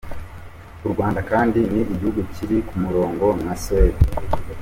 U Rwanda kandi ni igihugu kiri ku murongo nka Suède.